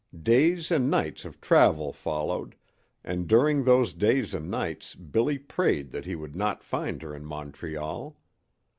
Days and nights of travel followed, and during those days and nights Billy prayed that he would not find her in Montreal.